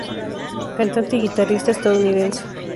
Cantante y guitarrista estadounidense.